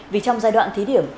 vì trong giai đoạn thí điểm